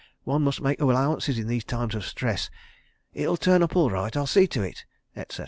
One must make allowances in these times of stress. It'll turn up all right. I'll see to it ..." etc.